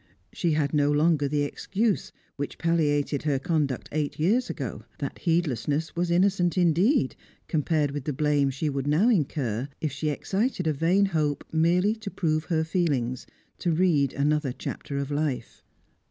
She had no longer the excuse which palliated her conduct eight years ago; that heedlessness was innocent indeed compared with the blame she would now incur, if she excited a vain hope merely to prove her feelings, to read another chapter of life.